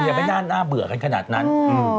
เพิ่ง๘เดือนคุณยังไม่น่าเบื่อขนาดนั้นอืม